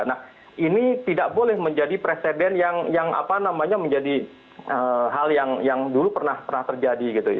nah ini tidak boleh menjadi presiden yang apa namanya menjadi hal yang dulu pernah terjadi gitu